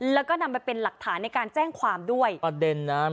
แล้วก็นำไปเป็นหลักฐานในการแจ้งความด้วยประเด็นนะ